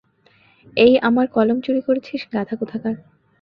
এই আমার কলম চুরি করেছিস, গাধা কোথাকার?